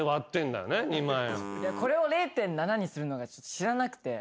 これを０．７にするのが知らなくて。